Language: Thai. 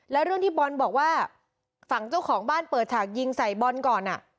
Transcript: แล้วเรื่องที่บอลบอกว่าฝั่งเจ้าของบ้านเปิดฉากยิงใส่บอลก่อน